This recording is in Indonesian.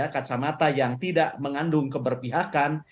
kacamata yang tidak mengandung keberpihakan